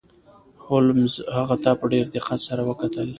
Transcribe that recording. هولمز هغه ته په ډیر دقت سره وکتل.